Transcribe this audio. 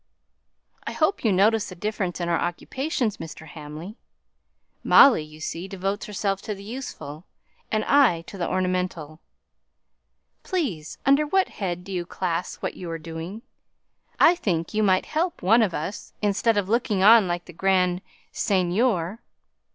"I hope you notice the difference in our occupations, Mr. Hamley. Molly, you see, devotes herself to the useful, and I to the ornamental. Please, under what head do you class what you are doing? I think you might help one of us, instead of looking on like the Grand Seigneur."